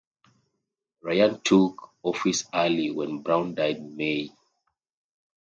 Ryan took office early when Brown died in May.